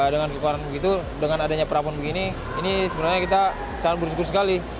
dengan kekurangan begitu dengan adanya perabon begini ini sebenarnya kita sangat bersyukur sekali